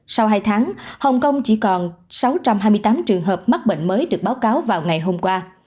sau hai tháng hồng kông chỉ còn sáu trăm hai mươi tám trường hợp mắc bệnh mới được báo cáo vào ngày hôm qua